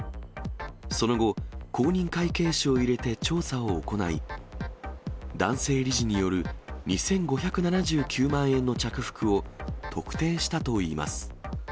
その後、公認会計士を入れて調査を行い、男性理事による２５７９万円の着服を特定したといいます。